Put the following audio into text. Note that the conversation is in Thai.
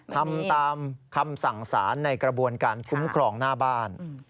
ทำตามคำสั่งสารในกระบวนการคุ้มครองหน้าบ้าน